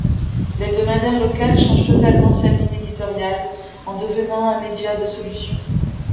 L'hebdomadaire local change totalement sa ligne éditoriale en devenant un média de solutions.